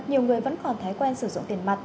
nhiều người vẫn còn thói quen sử dụng tiền mặt